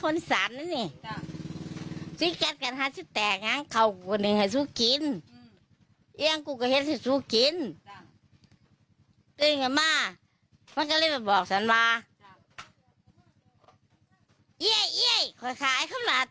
ก็ได้มีพี่เคยพี่เคยนอนอยู่นี่คุ้นไปดูหน่อย